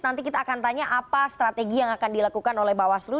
nanti kita akan tanya apa strategi yang akan dilakukan oleh bawaslu